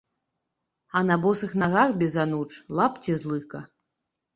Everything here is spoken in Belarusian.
А на босых нагах, без ануч, лапці з лыка.